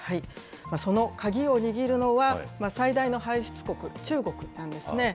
その鍵を握るのは、最大の排出国、中国なんですね。